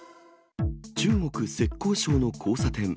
中国・浙江省の交差点。